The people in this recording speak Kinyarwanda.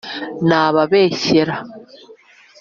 Nababeshyera